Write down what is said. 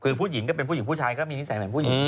คือผู้หญิงก็เป็นผู้หญิงผู้ชายก็มีนิสัยเหมือนผู้หญิง